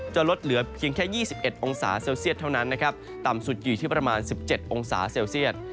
จะลดเหลือเพียงแค่๒๑องศาเซลเซียตเท่านั้นนะครับต่ำสุดอยู่ที่ประมาณ๑๗องศาเซลเซียต